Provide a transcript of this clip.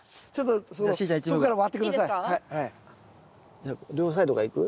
じゃ両サイドからいく？